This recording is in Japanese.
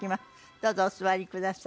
どうぞお座りください。